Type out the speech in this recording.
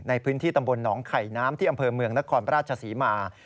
ในพื้นที่ตำบลหนองไข่น้ำที่อำเภอเมืองนครราชศรีมา